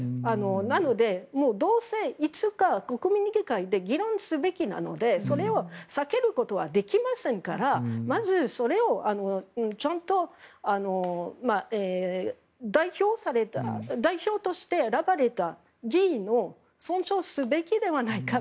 なので、どうせいつか国民議会で議論すべきなのでそれを避けることはできませんからまずそれをちゃんと代表として選ばれた議員を尊重すべきではないかと。